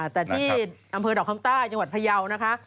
แต่ที่อำเภอดอกคำใต้จังหวัดพยาวนะคะ